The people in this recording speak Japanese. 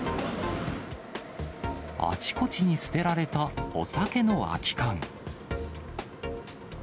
あちこちに捨てられたお酒の空き缶。